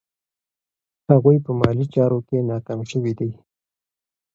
هغوی په مالي چارو کې ناکام شوي دي.